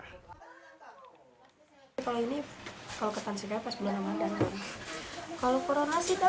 kalau ini kalau ketan serikaya pas bulan ramadan